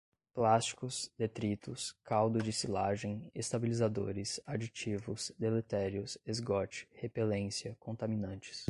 plásticos, detritos, caldo de silagem, estabilizadores, aditivos, deletérios, esgote, repelência, contaminantes